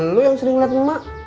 lu yang sering liat emak